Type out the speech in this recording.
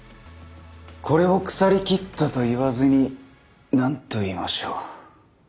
これを腐りきったと言わずに何と言いましょう。